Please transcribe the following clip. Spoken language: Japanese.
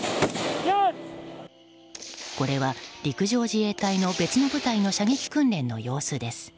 これは、陸上自衛隊の別の部隊の射撃訓練の様子です。